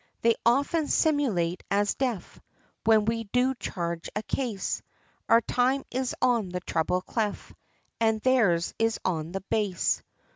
They often simulate, as deaf, When we do charge a case, Our time is on the treble cleff, And their's is on the base.